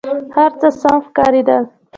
هر څه سم ښکارېدل.